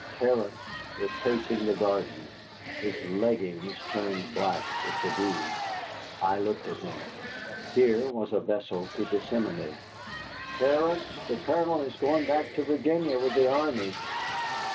Terence was pacing the garden, his leggings turned black with the dew. I looked at him. Here was a vessel to disseminate. "Terence, the Colonel is going back to Virginia with the army."